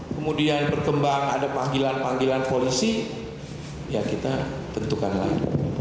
kemudian berkembang ada panggilan panggilan polisi ya kita tentukan lagi